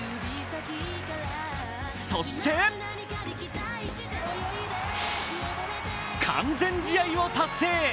そして、完全試合を達成。